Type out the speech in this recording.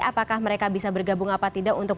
apakah mereka bisa bergabung apa tidak untuk